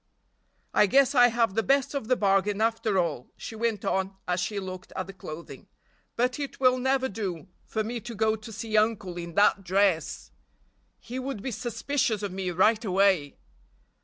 "I guess I have the best of the bargain after all," she went on as she looked at the clothing, "but it will never do for me to go to see uncle in that dress! He would be suspicious of me right away!